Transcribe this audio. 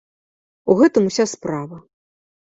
У гэтым уся справа.